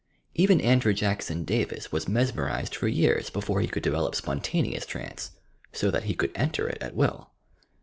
Even Andrew Jackson Davis was mesmerized for years before he could develop spontaneous trance, — so that he could enter it at will.